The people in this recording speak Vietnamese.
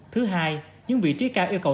thứ hai những vị trí cao yêu cầu